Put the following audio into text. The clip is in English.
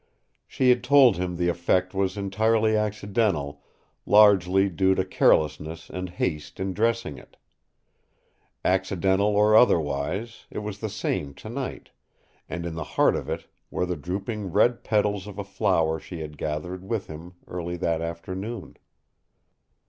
She had told him the effect was entirely accidental, largely due to carelessness and haste in dressing it. Accidental or otherwise, it was the same tonight, and in the heart of it were the drooping red petals of a flower she had gathered with him early that afternoon.